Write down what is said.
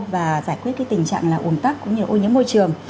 và giải quyết cái tình trạng là ổn tắc cũng như là ô nhiễm môi trường